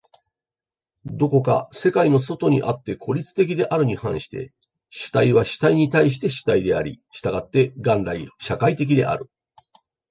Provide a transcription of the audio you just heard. どこか世界の外にあって孤立的であるに反して、主体は主体に対して主体であり、従って元来社会的である。